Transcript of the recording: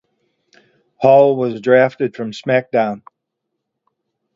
Hall was drafted from SmackDown!